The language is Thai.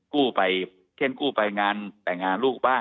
กู้เข้นไปงานแต่งงานลูก